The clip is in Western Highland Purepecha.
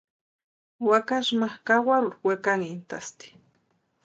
Wakasï ma kawarurhu wekanhintʼasti.